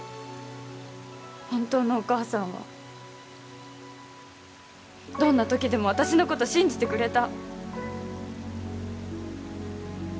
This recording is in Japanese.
本当のお母さんはどんなときでも私のこと信じてくれた。